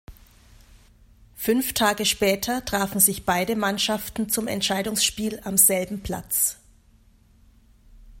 Fünf Tage später trafen sich beide Mannschaften zum Entscheidungsspiel am selben Platz.